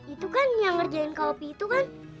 itu kan yang ngerjain kau pi itu kan